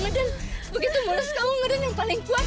nggak pernah mulus lagi kamu siap siap